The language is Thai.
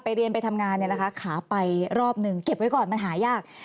ไปเรียนไปทำงานขาไปรอบหนึ่งเก็บไว้ก่อนมันหายาก